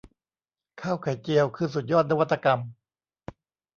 ข้าวไข่เจียว คือสุดยอดนวัตกรรม